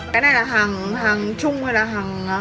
cái này là hàng trung hay là hàng đài